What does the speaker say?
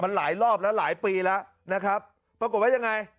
มันหลายรอบแล้วหลายปีแล้วนะครับปรากฏว่ายังไง